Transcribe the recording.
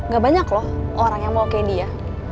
gak banyak loh orang yang mau kayak dia